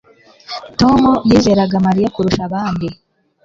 Tom yizeraga Mariya kurusha abandi